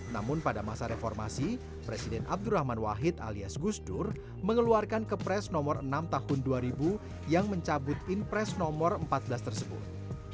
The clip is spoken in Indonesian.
namun pada masa reformasi presiden abdurrahman wahid alias gusdur mengeluarkan kepres nomor enam tahun dua ribu yang mencabut impres nomor empat belas tersebut